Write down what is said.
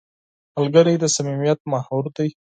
ملګری د صمیمیت محور دی